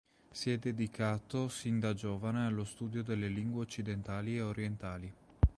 Si è dedicato sin da giovane allo studio delle lingue occidentali e orientali.